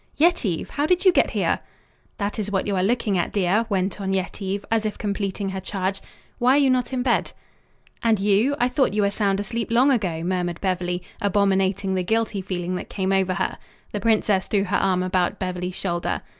"Yetive! How did you get here?" "That is what you are looking at, dear," went on Yetive, as if completing her charge. "Why are you not in bed?" "And you? I thought you were sound asleep long ago," murmured Beverly, abominating the guilty feeling that came over her. The princess threw her arm about Beverly's shoulder.